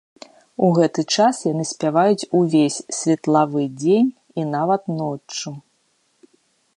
У гэты час яны спяваюць ўвесь светлавы дзень і нават ноччу.